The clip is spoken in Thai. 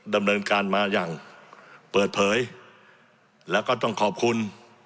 ดำเนินการมาอย่างเปิดเผยแล้วก็ต้องขอบคุณ